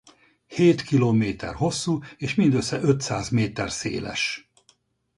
Hét kilométer hosszú és mindössze ötszáz méter széles.